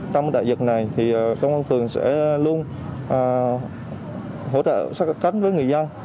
trong đại dịch này thì công an phường sẽ luôn hỗ trợ sát cánh với người dân